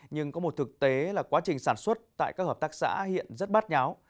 nhưng có một thực tế là quá trình sản xuất tại các hợp tác xã hiện rất bắt nháo